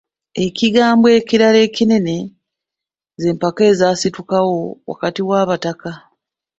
Ekigambo ekirala ekinene ze mpaka ezaasitukawo wakati w'Abataka.